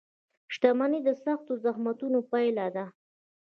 • شتمني د سختو زحمتونو پایله ده.